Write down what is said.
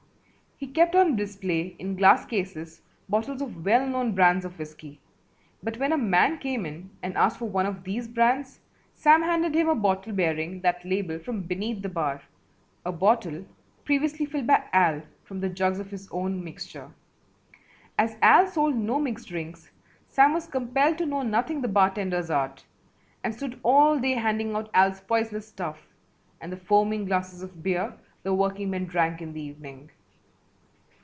He kept on display in glass cases bottles of well known brands of whiskey, but when a man came in and asked for one of these brands Sam handed him a bottle bearing that label from beneath the bar, a bottle previously filled by Al from the jugs of his own mixture. As Al sold no mixed drinks Sam was compelled to know nothing the bartender's art and stood all day handing out Al's poisonous stuff and the foaming glasses of beer the workingmen drank in the evening.